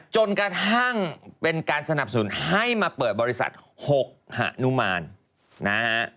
จนกระทั่งเป็นการสนับสนุนให้มาเปิดบริษัท๖หานุมานนะฮะ